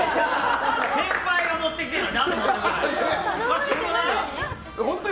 先輩が持ってきてるのに。